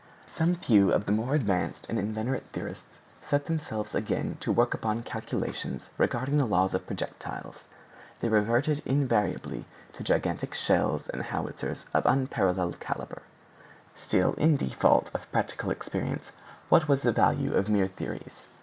Some few of the more advanced and inveterate theorists set themselves again to work upon calculations regarding the laws of projectiles. They reverted invariably to gigantic shells and howitzers of unparalleled caliber. Still in default of practical experience what was the value of mere theories?